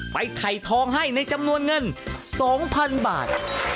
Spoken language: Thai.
ไถ่ทองให้ในจำนวนเงิน๒๐๐๐บาท